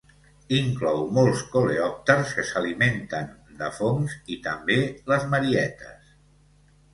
Inclou molts coleòpters que s'alimenten de fongs i també les marietes.